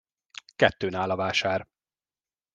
Kettőn áll a vásár.